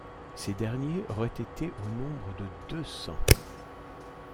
Ces derniers auraient été au nombre de deux cents.